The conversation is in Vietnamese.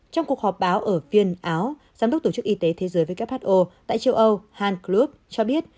trong cuộc họp báo ở viên áo giám đốc tổ chức y tế thế giới who tại châu âu hanklube cho biết